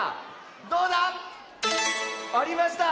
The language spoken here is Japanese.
どうだ⁉ありました。